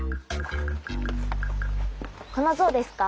この像ですか？